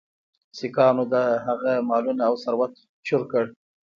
سیکهانو د هغه مالونه او ثروت چور کړ.